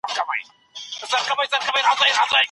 فلسفه د ټولو علومو مور ګڼل کیدله.